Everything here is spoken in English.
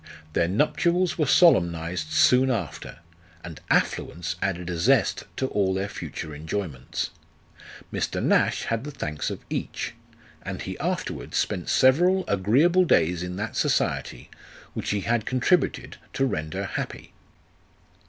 Their nuptials were solemnised soon after, and affluence added a zest to all their future enjoyments. Mr. Nash had the thanks of each, and he after wards spent several agreeable days in that society which he had contributed to render happy.